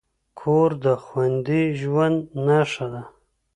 کور د خوندي ژوند نښه ده.